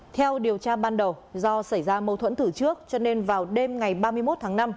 theo điều tra ban đầu do xảy ra mâu thuẫn thử trước cho nên vào đêm ngày ba mươi một tháng năm